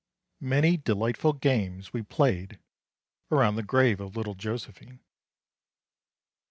Many delightful games we played around the grave of little Josephine.